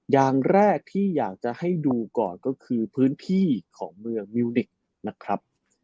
อย่างแรกที่อยากจะให้ดูก่อนก็คือพื้นที่ของเมืองมิวนิกนะครับ